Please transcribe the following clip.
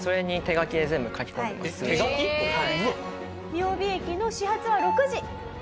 雅美駅の始発は６時。